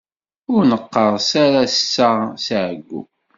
Ur neqqerṣ ara ass-a si ɛeggu.